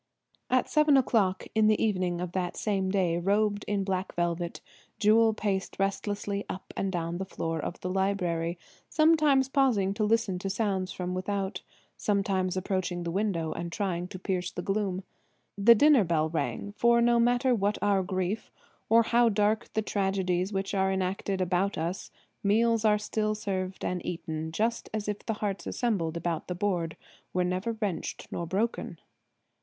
At seven o'clock in the evening of that same day, robed in black velvet, Jewel paced restlessly up and down the floor of the library, sometimes pausing to listen to sounds from without, sometimes approaching the window and trying to pierce the gloom. The dinner bell rang; for no matter what our griefs, or how dark the tragedies which are enacted about us, meals are still served and eaten, just as if the hearts assembled about the board were never wrenched nor broken.